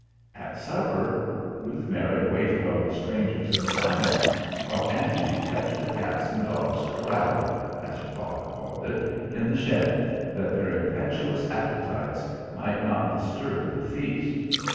At supper Ruth Mary waited on the strangers in silence, while Angy kept the cats and dogs "corraled," as her father called it, in the shed, that their impetuous appetites might not disturb the feast.